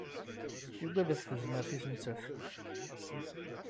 Yugad ɣef tezmert-nnes nettat.